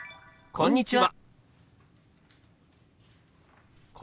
「こんにちは」。